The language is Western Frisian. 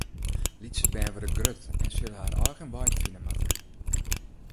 Lytse bern wurde grut en sille har eigen wei fine moatte.